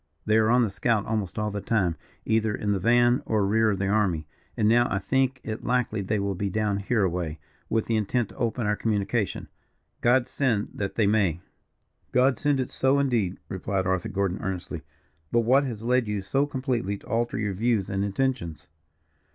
They are on the scout almost all the time, either in the van or rear of the army; and now I think it likely they will be down here away, with the intent to open our communication. God send that they may." "God send it so, indeed," replied Arthur Gordon, earnestly. "But what has led you so completely to alter your views and intentions?"